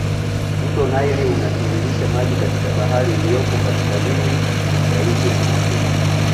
Mto nile unatiririsha maji katika bahari iliyopo kaskazini mashariki mwa afrika